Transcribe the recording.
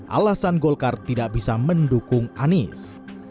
alasan golkar tidak bisa mendukung anies